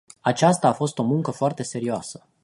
Aceasta a fost o muncă foarte serioasă.